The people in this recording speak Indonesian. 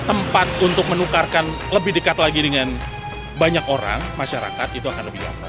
tempat untuk menukarkan lebih dekat lagi dengan banyak orang masyarakat itu akan lebih nyaman